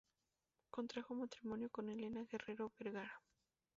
Contrajo matrimonio con Elena Guerrero Vergara.